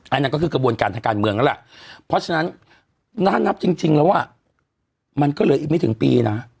อันนั้นก็คือกระบวนการทางการเมืองแล้วล่ะเพราะฉะนั้นถ้านับจริงแล้วอ่ะมันก็เหลืออีกไม่ถึงปีนะ